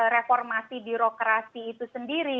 reformasi birokrasi itu sendiri